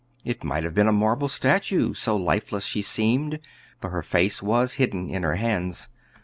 It might have been a marble statue, so lifeless she seemed, though her face was hidden in her hands.